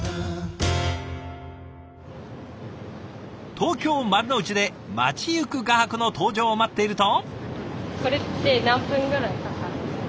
東京・丸の内で街行く画伯の登場を待っていると。